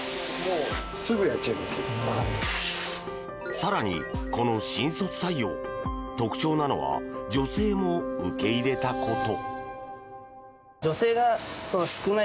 更に、この新卒採用特徴なのは女性も受け入れたこと。